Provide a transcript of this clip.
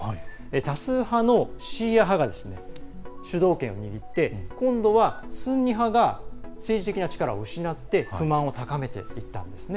多数派のシーア派が主導権を握って今度はスンニ派が政治的な力を失って不満を高めていったんですね。